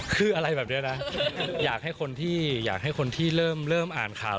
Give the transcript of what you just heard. คืออะไรแบบนี้นะอยากให้คนที่อยากให้คนที่เริ่มอ่านข่าว